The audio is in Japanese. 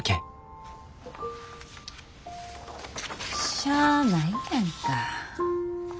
しゃあないやんか。